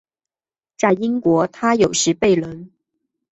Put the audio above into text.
在英国他有时被人。